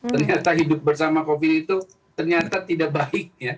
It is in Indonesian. ternyata hidup bersama covid itu ternyata tidak baik